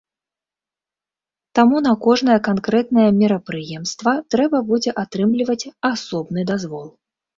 Таму на кожнае канкрэтнае мерапрыемства трэба будзе атрымліваць асобны дазвол.